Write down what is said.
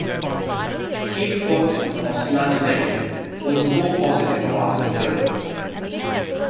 Keith Watson of "Slant Magazine" was more positive about the film.